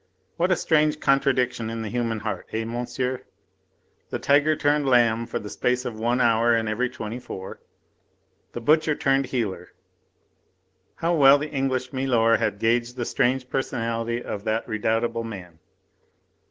What a strange contradiction in the human heart, eh, monsieur? The tiger turned lamb for the space of one hour in every twenty four the butcher turned healer. How well the English milor had gauged the strange personality of that redoubtable man!